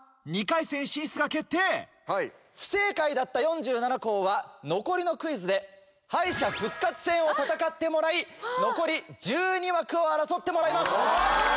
不正解だった４７校は残りのクイズで敗者復活戦を戦ってもらい残り１２枠を争ってもらいます。